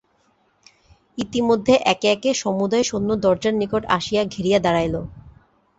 ইতিমধ্যে একে একে সমুদয় সৈন্য দরজার নিকট আসিয়া ঘেরিয়া দাঁড়াইল।